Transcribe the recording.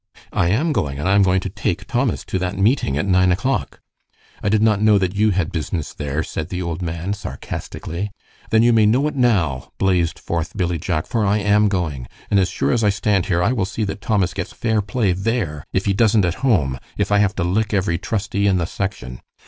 "I am going, and I am going to take Thomas to that meeting at nine o'clock." "I did not know that you had business there," said the old man, sarcastically. "Then you may know it now," blazed forth Billy Jack, "for I am going. And as sure as I stand here, I will see that Thomas gets fair play there if he doesn't at home, if I have to lick every trustee in the section."